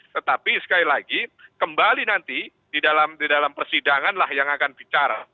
tetapi sekali lagi kembali nanti di dalam persidangan lah yang akan bicara